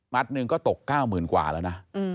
หนึ่งก็ตก๙๐๐๐กว่าแล้วนะ